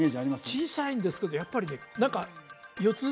小さいんですけどやっぱりね何か四つ